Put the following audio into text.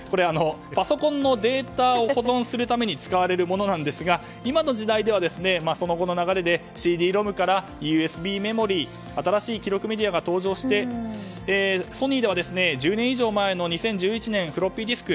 パソコンのデータを保存するために使われるものなんですが今の時代ではその後の流れでＣＤ‐ＲＯＭからＵＳＢメモリー新しい記録メディアが登場してソニーでは１０年以上前の２０１１年フロッピーディスク